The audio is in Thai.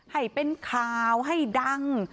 ให้เป็นข่าวให้ดัง